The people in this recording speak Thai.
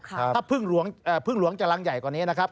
ถ้าพึ่งหลวงจะรังใหญ่กว่านี้นะครับ